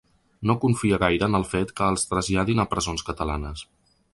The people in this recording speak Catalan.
No confia gaire en el fet que els traslladin a presons catalanes.